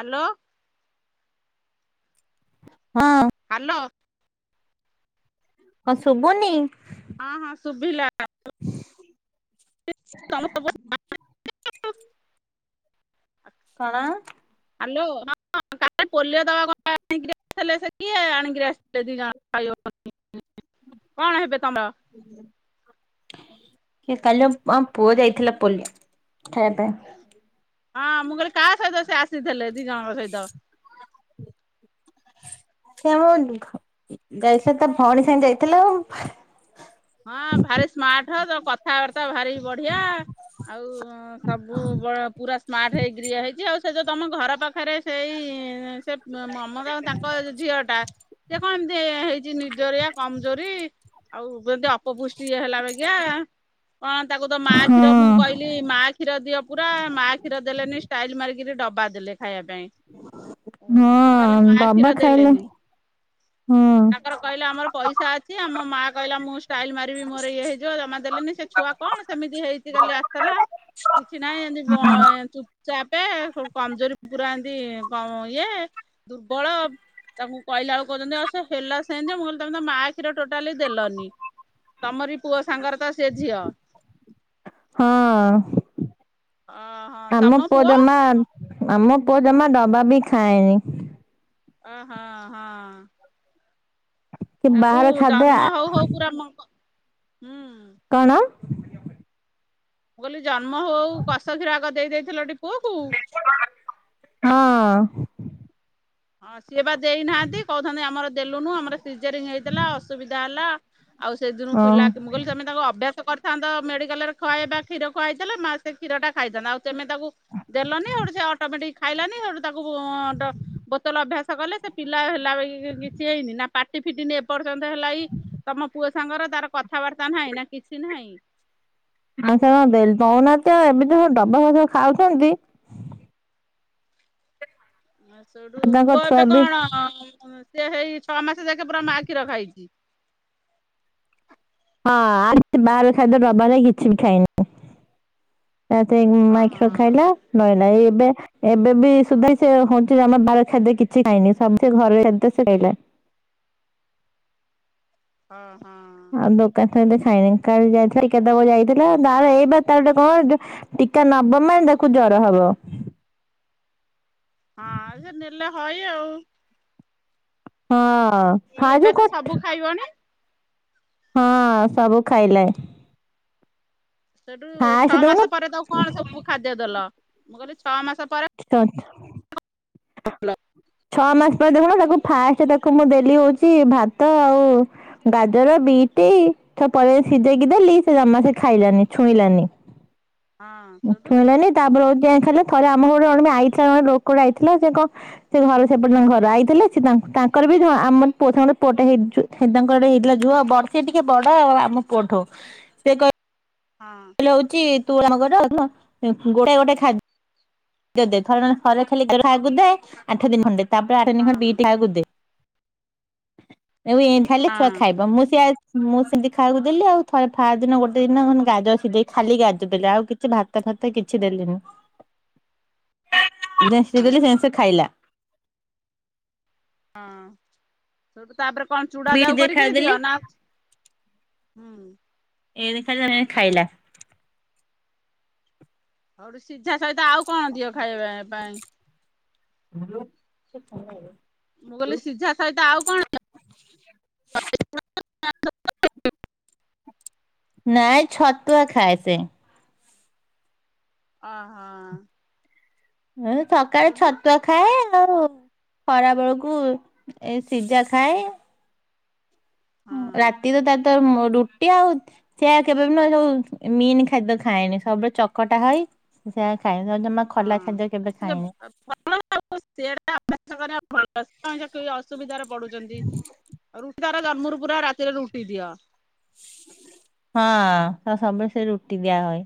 Hello. ହଁ। ହଁ ଶୁଭୁନି। ହଁ ହଁ ସୁଭିଲା। [unintelligible] [unintelligible] କଣ? ହାଲୋ ହଁ ଅ। କାଲି ପୋଲିଓ ଦବାକୁ ଆଣିକିରି ଆସିଥିଲେ ସେ କିଏ ଆଣିକିରି ଆସିଥିଲେ ଦି ଜଣ ଇଅ କଣ ହେବେ ତମର? କିଏ କାଲି ଆ ଆମ ପୁଅ ଯାଇଥିଲା ପୋଲିଅ ହଁ ମୁଁ କହିଲି କାହା ସହିତ ସିଏ ଆସିଥିଲେ ଦିଜଣଙ୍କ ସହିତ? ସିଏ ଆମ ଖ ଯାଇଥିଲେ ତା ଭୋଉଣୀ ସାଙ୍ଗରେ ଯାଇଥିଲେ। ହଁ ଭାରି ସ୍ମାର୍ଟ ହୋ ତୋ କଥାବାର୍ତ୍ତା ଭାରି ବଢିଆ। ଆଉ ସବୁ ବଳ ପୁରା ସ୍ମାର୍ଟ ହେଇକିରି ଇଏ ହେଇଚି ଆଉ ସେ ଯୋଉ ତମ ଘର ପାଖରେ ଆଛା ଏଁ ସେ ଉମ୍ ମମତାଙ୍କ ତାଙ୍କ ଝିଅଟା ସିଏ କଣ ଏମତି ହେଇଚି ନିର୍ଜରିଆ କମଜୋରି ଆଉ ବି ଏମତି ଅ ଅପପୁଷ୍ଟି ହେଲା ବାଗିଆ। କଣ ତାକୁ ତ ମାଆ ହଁ କ୍ଷୀର ମୁଁ କହିଲି ମାଆ କ୍ଷୀର ଦିଅ ପୁରା ମାଆ କ୍ଷୀର ଦେଲେନି ଷ୍ଟାଇଲ ମାରିକିରି ଡ ଖାଇବା ପାଇଁ ଉଁ ଟୋଟାଲି ହଁ ମାଆ ବାବା କ୍ଷୀର ଖାଇଲେ ଦେଲେନି। ହଁ ତାଙ୍କର କହିଲେ ଆମର ପଇସା ଅଛି ଆଉ ମୋ ମାଆ କହିଲା ମୁଁ ଷ୍ଟାଇଲ ମାରିବି ମୋର ଇଏ ହେଇଯିବ ଜମା ଦେଲେନି ସିଏ ଛୁଆ କଣ ସେମିତି ହେଇଚି କାଲି ଆସିଥେଲା। କିଛି ନାଇଁ ଏମିତି ବଏଁ ଚୁପ ଚାପେ ହୋଉ କମଜୋରି ପୁରା ଏମ ତି କମ ଇଏ ଦୁର୍ବଳ ତାଙ୍କୁ କହିଲା ବେଳକୁ କୋହୁଚନ୍ତି ଆଉ ସେ ହେଲା ସେମତି ଆଉ ମୁଁ କହିଲି ତମେ ତ ମାଆ କ୍ଷୀର ଟୋଟାଲି ଦେଲନି। ତମରି ପୁଅ ସାଙ୍ଗରେ ତ ସେ ଝିଅ। ହଁ ଅ ହଁ ଆମ ତମ ପୁଅ ଜମା ଆମ ପୁଅ ଜମା ଡବା ବି ଖାଏନି। ଓ ହଁ ହଁ। କି ତାକୁ ବାହାର ଖାଦ୍ୟ ଜନ୍ମ ହୋଉ ହୋଉ ପୁରା ମକ କଣ? ମୁଁ କହିଲି ଜନ୍ମ ହୋଉ ହୋଉ କଷ କ୍ଷୀର ଆଗ ଦେଇଥିଲ ଟି ହଁ। ହଁ ସିଏ ପା ଦେଇନାହାନ୍ତି କହୁଛନ୍ତି ଆମର ଦେଲୁନୁ ଆମର ସିଜରିଂ ହେଇଥିଲା ଅସୁବିଧା ହେଲା। ଆଉ ସେଦିନୁ ପିଲା କି ମୁଁ କହିଲି ତମେ ତାଙ୍କୁ ଅଭ୍ୟାସ କର ଥାନ୍ତ ମେଡିକାଲରେ ଖୁଆଇବା କ୍ଷୀର ଖୁଆଇଥିଲେ ମାଆ ସେ କ୍ଷୀରା ଖାଇଥାନ୍ତା ଆଉ ତେମେ ତାକୁ ଦେଲନି ହେଠୁ ସେ ଅଟୋମେଟିକ ଖାଇଲାନି ହେଠୁ ତାକୁ ଡ ବୋତଲ ଅଭ୍ୟାସ କଲେ ସେ ପିଲା ହେଲା ବାଗିକି କିଛି ହେଇନି ନା ପାଟି ଫିଟିନି ଏପର୍ ଏପର୍ଯ୍ୟନ୍ତ ହେଲା ଏଇ ତମ ପୁଅ ସାଙ୍ଗର ତାର କଥାବାର୍ତ୍ତା ନାହିଁ ନା କିଛି ନାହିଁ। ମୁଁ ସେୟା ଦେଲି ଦୋଉନାହାନ୍ତି ଆଉ ଏମିତି କଁ ଡବା ଫବା ଖାଉଚନ୍ତି ଆଉ ସେଉଠୁ ତାଙ୍କ ପୁଅ ଛୁଆ ଏବେ ବି କଣ ସିଏ ହେଇ ଛଅ ମାସ ଯାକେ ପୁରା ମା କ୍ଷୀର ଖାଇଛି। ହଁ ଆ ବାହାର ଖାଦ୍ୟ ଡବାର କିଛି ବି ଖାଇନି। ଏ ତ ଏଉ ହଁ ମାଆ କ୍ଷୀର ହଁ ଖାଇଲା ନାଇ ନାଇ ଏବେ ଏବେ ବି ସୁଧା ସିଏ ହୋଉ ଆମ ବାର ଖାଦ୍ୟ କିଛି ଖାଇନି ସବୁ ସେ ଘର ଖାଦ୍ୟ ସିଏ ଖାଇଲା। ହଁ ହଁ। ଆଉ ଦୋକାନ ଥ ଏବେ ଖାଇନି କାଲି ଯାଇଥିଲା ଟିକା ଦବାକୁ ଯାଇଥିଲା ବାହାର ଏଇ ପା ତାର ଗୋଟେ କଣ ଯୋଉ ଟିକା ନବ ମାନେ ତାକୁ ଜର ହବ। ହଁ ସେ ନେଲେ ହଇ ଆଉ। ହଁ ଆଉ ସାର ଏବେ ଯୋଉ ତ ସବୁ କଥୁ ଖାଇବଣି ହଁ ସବୁ ଖାଇଲେ। ସେଠୁ ଏଇ ଛଅ ମାସ ପରେ ତାକୁ କଣ ସବୁ ଖାଦ୍ୟ ଦେଲ ମୁଁ କହିଲି ଛଅ ମାସ ପରେ ଛଅ ମାସ ପରେ ଦେଖୁନ ତାକ ଫାଷ୍ଟେ ତାକୁ ମୁଁ ଦେଲି ହୋଉଚି ଭାତ ଆଉ ଗାଜର ବିଟି ତାପ ସିଝେଇକି ଦେଲି ସେ ଜମା ସେ ଖାଇଲାନି ଛୁଇଁଲାନି। ହଁ ସେଠୁ ମୁଠେ ହେଲାନି ତାପରେ ଆଉ ଆଇଁ କିଏ ଖାଇଲେ। ଥରେ ଆମ ଘଡୁକୁ ତୁମେ ଆଇଥିଲା ଜଣେ ଲୋକଟା ଆଇଥିଲା ସେ କଣ ସେ ଘର ସେପଟେ ତାଙ୍କ ଘର। ଆଇଥିଲେ ସିଏ ତା ତାଙ୍କର ବୀ ଧ-ଆମର ପୁଅ ସାଙ୍ଗରେ ଗୋଟେ ପୁଅଟେ ହେଇ ଚୁ-ହେଇ ତାଙ୍କର ହେଇଥିଲା ଝୁଅ ବର୍ଷେ ଟିକେ ବଡ ଆମ ପୁଅଠୁ। ସେ କ ହଁ ହିଲା ହଉଚି ତୁ ଆମ ଘର [inaudible] ଏ ଉଁ, ଗୋଟେ ଗୋଟେ ଖାଦ ଦ୍ୟ ଦେ। ଥରେ ନନ ଥରେ ଖାଲି [inaudible] ଖାଇବାକୁ ଦେ ଆଠ ଦିନ ଖଣ୍ଡେ। ତାପରେ ଆଠ ଦିନ ହଁ ଖଣ୍ଡେ ହଁ ବିଟ୍ ଖାଇବାକୁ ଦେ। ଏବି ଖାଇଲେ ଛୁଆ ହଁ ଖାଇବ ମୁଁ ସେୟା ମୁଁ ସେମିତି ଖାଇବାକୁ ଦେଲି। ଆଉ ଥରେ ଫା ଦିନ ଗୋଟେ ଦିନ [unintelligible] ଗାଜର ସିଜେଇ ଖାଲି ଗାଜର ଦେଲି। ଆଉ କିଛି ଭାତ ଭାତ କିଛି ଦେଲିନି। ଯେନସି ଦେଲି ସେମ ସେ ଖାଇଲା। ହଁ ସେଉଠୁ ତାପରେ କଣ ଚୁଡା ବିଟ୍ ଯାଉ ଦେ କରିକିରି ଖାଇଦେଲି ଦିଅ ନା ହଁ। [unintelligible] ଖାଇଲା ସେ ଖାଇଲା। ହଉଠୁ ସିଝା ସହିତ ଆଉ କଣ ଦିଅ ଖାଇବା ପାଇଁ? ସେ [unintelligible] ମୁଁ କହିଲି ସିଝା ସହିତ ଆଉ କଣ [inaudible] ନାଇଁ ଛତୁଆ ଖାଏ ସେ। ଓ, ହଁ। ଏହେ ସକାଳେ ଛତୁଆ ଖାଏ। ତାର ଖରା ବେଳକୁ ଏ ସିଜା ଖାଏ। ହଁ ରାତିରେ ତା ତାର ମୋ ରୁଟି ଆଉ ସେଆ କେବେ ବି ନ ଯୋଉ ଏ ମିନ ଖାଦ୍ୟ ଖାଏନି। ସବୁବେଳେ ଚକଟା ହୋଇ ସେୟା ଖାଏ। ତ ଜମା ଖୋଲା ହଁ ଖାଦ୍ୟ କେବେ ସିଏ ଖାଇନି। ଭଲ ଆଉ ସେଟା ଭଲ ତୋମେ ଯେ କି ଅସୁବିଧାରେ ପଡୁଚନ୍ତି। ରୁଟି ତାର ଜନ୍ମରୁ ପୁରା ରାତିରେ ରୁ ପିଇଦିଅ। ହଁ ତ ସବୁବେଳେ ସେ ରୁଟି ଦିଆ ହଏ।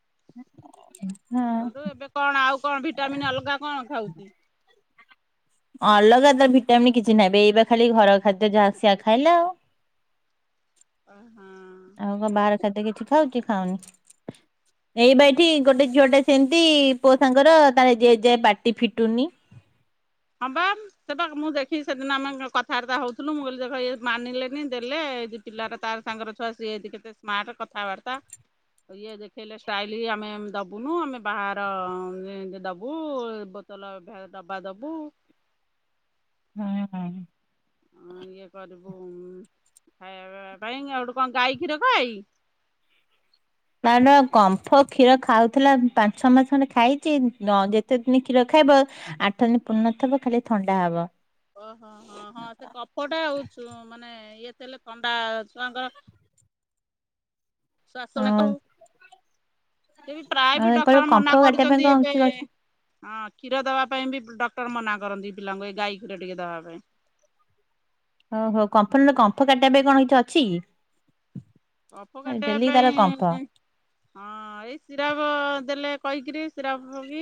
ନା [unintelligible] ସଉଠୁ ଏବେ କଣ ଆଉ କଣ ଭିଟାମିନ୍ ଅଲଗା କଣ ଖାଉଚି? ଅଲଗା ତ ଭିଟାମନ୍ କିଛି ନାହିଁ ବେ ଏଇ ବା ଖାଲି ଘର ଖାଦ୍ୟ ଯାହା ସେଆ ଖାଇଲା। ଓ ହଁ। ଆଉ କଣ ବାହାର ଖାଦ୍ଯ କିଛି ଖାଉଚି ଖାଉନି। ଏଇ ବା ଏଠି ଗୋଟେ ଝିଅଟେ ସେମିତି ପୁଅ ସାଙ୍ଗର ତାର ଏ ଯେ ଯେ ପାଟି ଫିଟୁନି। ହଁ ବାମ୍ ସେ ତ ମୁଁ ଦେଖିକି ସେଦିନ ଆମେ ଗ-କଥାବାର୍ତ୍ତା ହଉଥୁଲୁ ମୁଁ କହିଲି ଦେଖ ଏ ମାନିଲେନି ଦେଲେ ଏଇ ଯେ ପିଲାର ତାର ସାଙ୍ଗର ଛୁଆ ସିଏ ଯେ କେତେ ସ୍ମାର୍ଟ କଥାବାର୍ତ୍ତା ଇଏ ଦେଖେଇଲେ ଷ୍ଟାଇଲ ଆମେ ଦବୁନୁ ଆମେ ବାହାର ଇ- ଯେ ଦବୁ ବ ତଲ ଭେ-ଡବା ଦବୁ। ହୁଁ। ଅଁ, ଇଏ କରିବୁ ଉଁ,। ଏ ଖାଇବା ପିଇବା ପାଇଁକି ଆଉ ହେଠୁ କଣ ଗାଈ କ୍ଷୀର ଖାଏ କି? ହ କାରଣ କମ୍ଫ କ୍ଷୀର ଖାଉଥିଲା ପାଞ୍ଚ ଛଅ ମାସ ଖଣ୍ଡେ ଖାଇଚି। ଦ- ଯେତେ ଦିନ କ୍ଷୀର ଖାଇବ ଆଠ ଦିନ ପୂର୍ ନଥିବ ଖାଲି ଥଣ୍ଡା ହବ। ଓ, ହଁ, ହଁ, ହଁ ସେ କଫଟା ଆଉ। ସୁ ମାନେ ଇଏ ତେଲ ଥଣ୍ଡା ଛୁଆଙ୍କର। ଶ୍ବାସନେ ଆଉ କହୁ। ସିଏ ବି ପ୍ରାୟ ବି ଆଉ କହିଲ ଡକ୍ଟର କମ୍ଫ ମନା କାଟିବା ପାଇଁ କରିଛନ୍ତି କଣ ଏବେ କିଛି ଅଛି ହଁ କ୍ଷୀର ଦବା ପାଇଁ ବି ଡକ୍ଟର ମନା କରନ୍ତି ପିଲାଙ୍କୁ ଏ ଗାଈ କ୍ଷୀର ଟିକେ ଦବା ପାଇଁ। ଓହୋ କମ୍ଫନ କମ୍ଫ କାଟିବା ପାଇଁ କଣ କିଛି ଅଛିକି? କଫ କାଟିବା ପାଇଁ ହଁ ଏଇ ସିରାପ ଦେଲେ କହିକିରି ସିରାପ ବି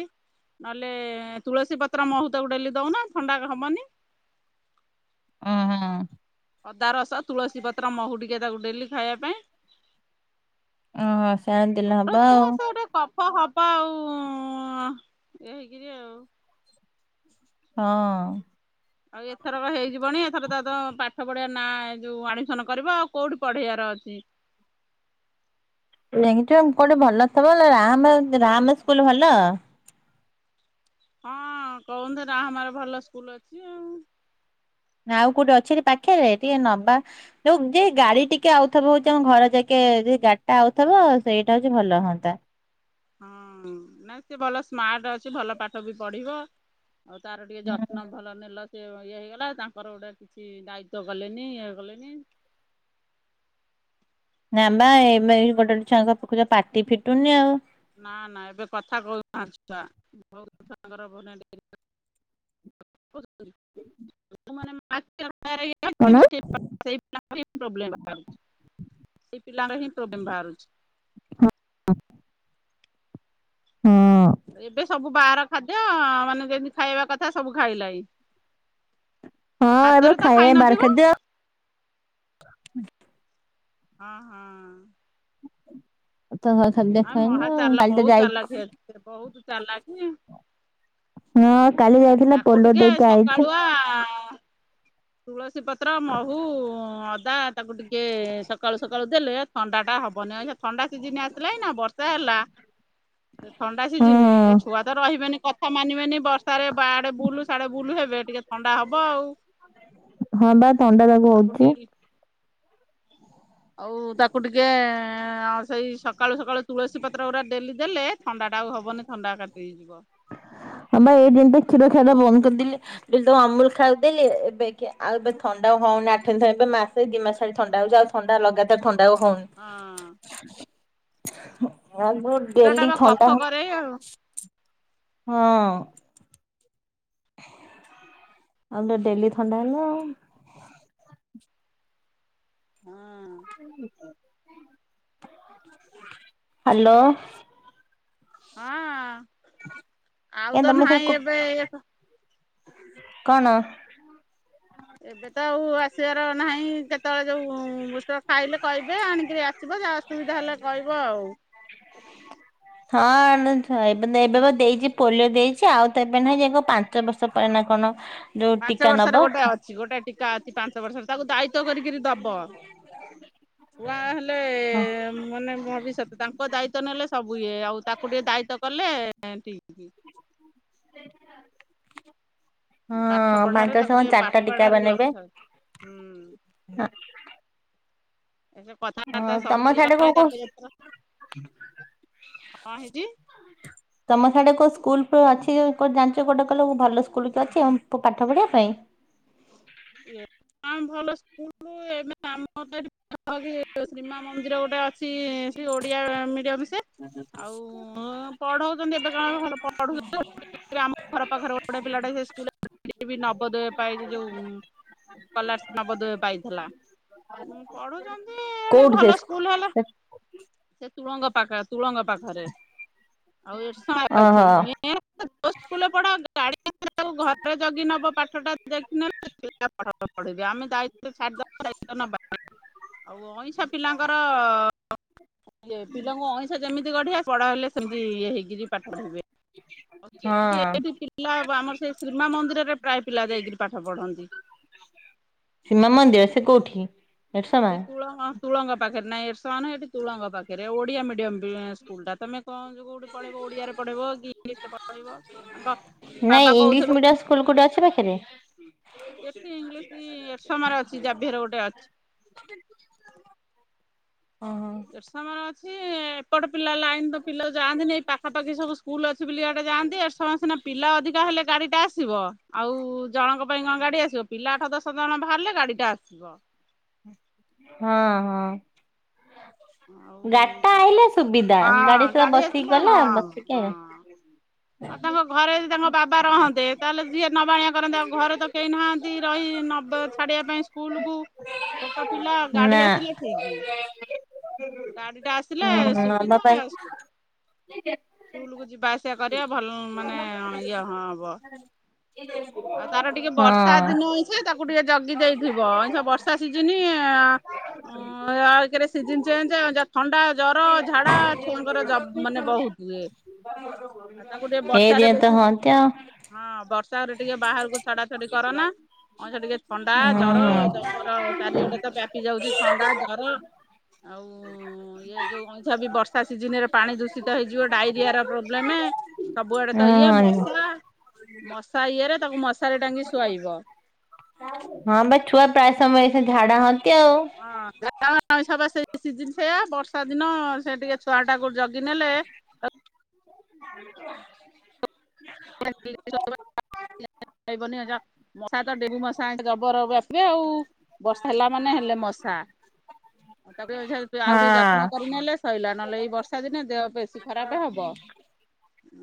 ନହେଲେ ତୁଳସୀ ପତ୍ର ମହୁ ତାକୁ ଡେଲି ଦଉନ ଥଣ୍ଡା ହବନି। [inaudible] ହୁଁ ଅଦା ରସ, ତୁଳସୀ ପତ୍ର, ମହୁ ଟିକେ ତାକୁ ଡେଲି ଖାଇବା ପାଇଁ ଓହୋ ସେୟା ଦେଲେ ହବ ଆଉ। ହଁ ହବ ଆଉ ଅଁ ଇଏ ହେଇକିରି ଆଉ। ହଁ। ଆଉ ଏଥରକ ହେଇଯିବଣି ଏଥର ତା ତ ପାଠ ପଢିଆ ନା ଯୋଉ ଆଡମିସନ କରିବ ଆଉ କୋଉଠି ପଢେଇବାର ଅଛି? [inaudible] ଲେଂଚୁମ୍ କୋଉଠି ଭଲ ଥବ ଲେ ରାମେ ରାମେ ସ୍କୁଲ ଭଲ ହଁ କହୁନ୍ତୁ ରାହାମାରେ ଭଲ ସ୍କୁଲ ଅଛି ଆଉ। ନା ଆଉ କୋଉଠି ଅଛି କି ପାଖରେ? ଟିକେ ନବା ଯୋଉ ଯେ ଗାଡି ଟିକେ ଆଉଥବ ହଉଛି ଆମ ଘର ଯାକେ। ଏ ଯଇ ଗାଡିଟା ଆଉଥବ ସେଇଟା ହଉଛି ଭଲ ହଅନ୍ତା। ହଁ ନାଇଁ ସେ ଭଲ ସ୍ମାର୍ଟ ଅଛି। ଭଲ ପାଠ ବି ପଢିବ। ଆଉ ତାର ଟିକେ ଯତ୍ନ ଭଲ ନେଲ ସେ ଇଏ ହେଇଗଲା ତାଙ୍କର ଗୋଟେ କିଛି ଦାୟିତ୍ଵ କଲେନି ଇଏ କଲେନି ନାଁ ପା ଏଇ ଗୋଟେ ଗୋଟେ ଛୁଆଙ୍କ ଦେଖୁଚ ପାଟି ଫିଟୁନି ଆଉ। ନା ନା ଏବେ କଥା କହୁନାହାନ୍ତି ଛୁଆ ବହୁତ ଛୁଆଙ୍କର [unintelligible] ଡେରିରେ [inaudible] [unintelligible] [unintelligible] ସେଇ ପିଲାଙ୍କର କଣ? ହିଁ ପ୍ରୋବ୍ଲେମ୍ ବାହାରୁଚି। ସେଇ ପିଲାର ହିଁ ପ୍ରୋବ୍ଲେମ୍ ବାହାରୁଛି। ହଁ ଏବେ ସବୁ ବାହାର ଖାଦ୍ୟ ମାନେ ଯେମିତି ଖାଇବା କଥା ସବୁ ଖାଇଲା ଏଇ। ହଁ ଏବେ ଖାଇବା ବାର ଖାଦ୍ୟ ହଁ ହଁ। ତହ ଖାଲି ଆ ମହା ଦେଖାହେଇନୁ କାଲି ତ ଯାଇଥ ଚାଲାଖୀ। ହଁ କାଲି ଯାଇଥିଲା ତାକୁ ପୋଲ ଟିକେ ଦେଇକି ଆଇଛି ସକାଳୁଆ ତୁଳସୀ ପତ୍ର ମହୁ ଅଦ୍ ଦା ତାକୁ ଟିକେ ସକାଳୁ ସକାଳୁ ଦେଲେ ଥଣ୍ଡା ଟା ହବନି ଅହିକା ଥଣ୍ଡା ସିଜିନ୍ ଆସିଲା ଇନା ବର୍ଷା ହେଲା ସେ ଥଣ୍ଡା ସିଜିନି ଏ ହଁ ଛୁଆ ତ ରହିବେନି କଥା ମାନିବେନି ବର୍ଷ ଆଡେ ବୁଲୁ ସାଡେ ବୁଲୁ ହେବେ ଟିକେ ଥଣ୍ଡା ହବ ଆଉ। ହଁ ବା ଥଣ୍ଡା ତାକୁ ହଉଛି। ଆଉ ତାକୁ ଟିକେ ଅ ସେଇ ସକାଳୁ ସକାଳୁ ତୁଳସୀ ପତ୍ର ଗୁରା ଡେଲି ଦେଲେ ଥଣ୍ଡା ଣ୍ଡା ଆଉ ହବନି ଥଣ୍ଡା କାଟି ହେଇଯିବ। ହଁବା ଏଇ ଦିନ୍ ଟେ କ୍ଷୀର ଖିଆଟା ବନ୍ଦ କଦେଲି ଦେଲି ତାକୁ ଅମୁଲ ଖାଇବାକୁଦେଲି ଏବେ କିଏ ଆଉ ଏବେ ଥଣ୍ଡା ହଉନି ଆଠ ଦିନରେ ଥରେ ଏବେ ମାସେ ଦି ମାସ ଖାଲି ଥଣ୍ଡା ହଉଛି। ଆଉ ଥଣ୍ଡା ଲଗାତାର ଥଣ୍ଡା ଆଉ ହଉନି। ହଁ ଆଗୁରୁ କ୍ଷୀର ଟା ଡେଲି ବା ଥଣ୍ଡା କଫ ହବ କରେ ଆଉ ହଁ। ଆଉତ ଡେଲି ଥଣ୍ଡା ହେଲା ଆଉ। ହଁ ହାଲୋ। ହଁ ଆଉ ଏ ତ ତମେ ସେ କୁ ନାହିଁ ଏବେ ଏୟାତ କଣ? ଏବେ ତ ଆଉ ଆସିବାର ନାହିଁ ଯେତେବେଳେ ଯୋଉ ବୁଷ୍ଟର ଖାଇଲେ କହିବେ ଆଣିକିରି ଆସିବ ଯା ଅସୁବିଧା ହେଲେ କହିବ ଆଉ। ହଁ ଆମେ ଏବେ ତ ଏବେ କ ଦେଇଛି ପୋଲିଓ ଦେଇଛି ଆଉ ତ ଏବେ ନାଇଁ ଯଇ କ ପାଞ୍ଚ ବର୍ଷ ପରେ ନା କଣ। ଯୋଉ ପାଞ୍ଚ ଟୀକା ନବ ବର୍ଷରେ ଗୋଟାଏ ଅଛି ଗୋଟାଏ ଟୀକା ଅଛି ପାଞ୍ଚ ବର୍ଷରେ ତାକୁ ଦାୟିତ୍ବ କରିକରି ଦବ। ଛୁଆ ହେଲେ ହଁ ମାନେ ଭବିଷ୍ୟତ ତାଙ୍କ ଦାୟିତ୍ୱ ନେଲେ ସବୁ ହୁଏ ଆଉ ତାକୁ ଟିକେ ଦାୟିତଵ କଲେ ପାଠ ପାଞ୍ଚ ପଢାରେ ବର୍ଷ ତାକୁ ଟ ଚାରିଟା ପାଠ ଟୀକା ବା ପଢାରେ ନେବେ। ଲକ୍ଷ ହୁଁ ଏ କଥାାର୍ତା ହଁ ତମ ସବୁ ସାଡେ କରାର କୋଉ କୋଉ ଯ ତମ ଖଡେ କ ସ୍କୁଲ ଅଛି ଜାଣିଛ କୋଟେ କଲେ ଭଲ ସ୍କୁଲ କି ଅଛି ଆ ପାଠ ପଢିବା ପାଇଁ। ପରୁ ଏ ଆମ ତ ଏଠି କି ଶ୍ରୀମା ମନ୍ଦିର ଗୋଟେ ଅଛି ସେ ଓଡିଆ ମିଡିଅସେ ଆଉ ପଢଉଛନ୍ତି ଏବେ କଣ ଭଲ ପଢୁଛନ୍ତି ଏଥିପାଇଁ ଆମ ଘର ପାଖରେ ଗୋଟେ ପିଲାଟେ ସେ ସ୍କୁଲ ବି ନବଦୟ ପାଇଁ ଯୋଉଁ। କଲାର୍ସ ନବଦୟ ପାଇଥିଲା ଉଁ ପଢ଼ୁ ଉଁ ସେ ଗୋଟେ କୋଉଠି ସେ ଭଲ ସ୍କୁ ସ୍କୁଲ୍ ହେଲା ସେ ସେ ତୁଳଙ୍ଗ ପାଖରେ। ତୁଳଙ୍ଗ ପାଖରେ ଆଉ ଏ ଓହୋ [inaudible] ଯୋଉ ସ୍କୁଲ୍ରେ ପଢ଼ ଗାଡ଼ି ଆଉ ଘରେ ଜଗି ନବ ପାଠ ଟା ଦେଖିନେଲେ। ପିବ ଆମେ ଯାଇି ଦ ନବାନି ଆଉ ଅଇଁଂସା ପିଲାଙ୍କର ପିଲାଙ୍କୁ ଅଇଁସା ଯେମିତି ଗଢ଼ିଆ ସେ ବଡ଼ ହେଲେ ସେମିତି ଇଏ ହେଇକିରି ପାଠ ପଢ଼ିବେ। ହଁ ସେଠି ଏଠି ପିଲା ଆମର ସେଇ ଶ୍ରୀମା ମନ୍ଦିରରେ ପ୍ରାୟ ପିଲା ଯାଇକିରି ପାଠ ପଢ଼ନ୍ତି। ସୀମା ମନ୍ଦିର ସେ କୋଉଠି। ଏରସମା ସେ ତୁଳଙ୍ଗ ତୁଳଙ୍ଗ ପାଖରେ ନା ଏସାନ ଏଠି ତୁଳଙ୍ଗ ପାଖରେ ଓଡିଆ ମିଡିୟମ ସ୍କୁଲ ଟା ତମେ କଣ କୋଉଠି ପଢ଼େଇ ଓଡିଆରେ ପଢେଇବ କି ଇଂଲିଶ ରେ ପଢ଼େଇବ ନାଇଁ ଇଂଲିଶ ମିଡିୟ ସ୍କୁଲ ଗୋଟେ ଅଛି ପାଖରେ ଏଠି ଇଂଲିଶ ଏଠ ସମୟରେ ଅଛି ଜାଭର ଗୋଟେ ଅଛି ହଁ। ଦେର୍ଶ ମାନ ଅଛି ଏପଟ ପିଲା ଲାଇନ ର ପିଲାକୁ ଯାନ୍ତିନି ପାଖାପାଖି ସୁ ସ୍କୁଲ ଅଛି ବୋଲି ଗଆଡେ ଯାଆନ୍ତି ସମେିନା ପିଲ ଅଧି ଅଧିକା ହେଲେ ଗାଡି ଟା ଆସିବ ଆଉ ଜଣଙ୍କ ପାଇଁ କଣ ଗାଡି ଆସିବ ପିଲାଠା ଆଠ ଦଶ ଜଣ ବାହାରିଲେ ଗାଡି ଟା ଆସିବ ହଁ ହଁ ଆଉ ଗାଡ଼ି ଟା ଆଇିଲେ ସୁବିଧା ଗାଡି ହଁ ସା ବସିକି ଆସିଲେ ହଁ ଗଲା ବସିକି ହଁ। ଆଇଲା ଆଉ ତାଙ୍କ ଘରେ ଯଦି ତାଙ୍କ ବାବା ରହନ୍ତେ ତାହେଲେ ସିଏ ନବାଣିଆ କରନ୍ତିେ ଆଉ ଘରେ ତ କେହି ନାହାନ୍ତି ରହି ନବେ ଛାଡିବା ପାଇଁ ସ୍କୁଲ କୁ ଛୋଟ ପିଲା ଗାଡ଼ି ନା ଆସିଲା ଠିକ୍ ଗାଡି ଟା ଆସିଲେ ହୁଁ ନବା ସୁବିଧା ପାଇଁ ସ୍କୁଲ କୁ ଯିବା ଆସିବା। କରିବା ଭଲ ମାନେ ଇଏ ହଁ ହବ। ଆଉ ତାର ଟିକେ ବର୍ଷା ହଁ ଦିନ ଅଇଛ ତାକୁ ଟିକେ ଜଗି ଦେଇଥିବ ଛ ବର୍ଷା ବର୍ଷା ସିଜିନ୍ ଓଉ ସିଜ ଚଞ୍ଜ ଥଣ୍ଡା ଜର ଝାଡା ଛୁଆଙ୍କର ମାନେ ବହୁତ୍ ଆଉ ତାକୁ ଟିକେ ଏଇ ବର୍ଷ ଦିନ ତ ବେଶୀ ହନ୍ତି ଆଉ। ହଁ ବର୍ଷାରେ ଟିକେ ବାହାରକୁ ଛଡା ଛଡି କରନା କଁ ସେ ଟିକେ ଥଣ୍ଡା ହୁଁ ଜର ଜର ଚାରିଆଡେ ତ ବ୍ୟାପି ଯାଉଛି ଥଣ୍ଡା ଜର ଆଉ ଇ ଯୋଉ ଅଇଛ ବି ବର୍ଷା ସିଜିନରେ ପାଣି ଦୂଷିତ ହେଇଯିବ ଡାଇରିଆ ର ପ୍ରୋବ୍ଲେମ୍ ସବୁଆଡେ ତ ଇଏ ହଁ ମଶା ମଶା ଇଏରେ ତାକୁ ମଶାରେ ଟାଙ୍ଗି ଶୁଆଇବ ଝାଡ଼ା ହ ହଁ ସେ ବର୍ଷା ଦିନ ସେ ଟିକେ ଛୁଆ ଟା ଗୋ ଜଗ କିି ନହେଲେ ଆ ମଶା ତ ଡେଙ୍ଗୁ ମଶା ଯବର ଏବେ ଆଉ ବର୍ଷା ହେଲା ମାନେ ହେଲେ ମଶା ଆଉ ତାକୁ ଆଉ ଟିକେ ଯତ୍ନ ହଁ। କରିନେଲେ ସଇଲା ନହେଲେ ଏଇ ବର୍ଷା ଦିନେ ଦେହ ବେଶୀ ଖରାପ ହବ। [inaudible]